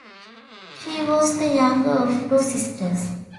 She was the younger of two sisters.